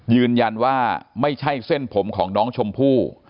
ยืนยันว่าไม่ใช่เส้นผมของน้องชมพู่